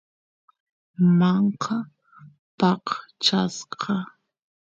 manka paqchasqa